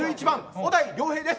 小田井涼平です。